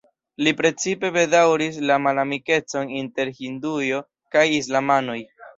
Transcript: Li precipe bedaŭris la malamikecon inter hinduoj kaj islamanoj.